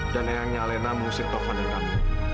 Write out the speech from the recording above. dan ayahnya alena mengusir taufan dari kami